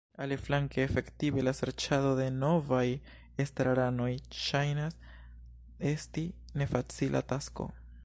Aliflanke efektive la serĉado de novaj estraranoj ŝajnas esti nefacila tasko.